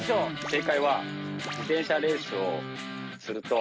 正解は。